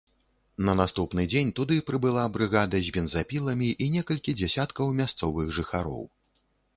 На наступны дзень туды прыбыла брыгада з бензапіламі і некалькі дзясяткаў мясцовых жыхароў.